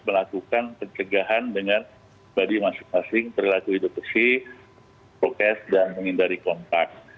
dan melakukan pencegahan dengan badi masing masing berlaku hidup bersih roket dan menghindari kontak